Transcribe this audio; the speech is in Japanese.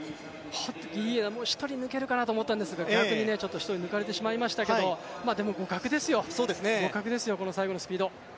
ぎりぎり１人、抜けるかなと思ったんですが逆に１人に抜かれてしまいましたけどでも互角ですよ、この最後のスピード。